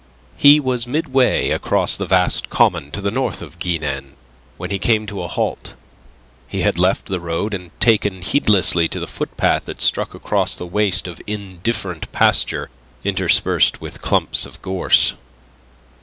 He was midway across the vast common to the north of Guignen when he came to a halt. He had left the road, and taken heedlessly to the footpath that struck across the waste of indifferent pasture interspersed with clumps of gorse.